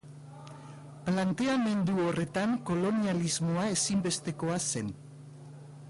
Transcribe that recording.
Planteamendu horretan Kolonialismoa ezinbestekoa zen.